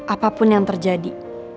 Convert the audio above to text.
apapun yang terjadi